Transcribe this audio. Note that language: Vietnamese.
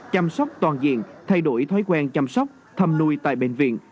chăm sóc toàn diện thay đổi thói quen chăm sóc thăm nuôi tại bệnh viện